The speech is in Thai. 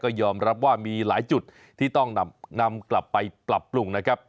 ก็ยอมรับว่ามีหลายจุดที่ต้องนำกลับไปปรับปรุงนะครับ